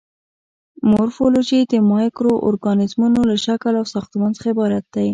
مورفولوژي د مایکرو ارګانیزمونو له شکل او ساختمان څخه عبارت دی.